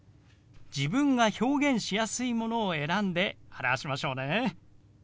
自分が表現しやすいものを選んで表しましょうね。